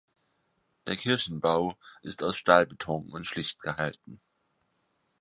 Der Kirchenbau ist aus Stahlbeton und schlicht gehalten.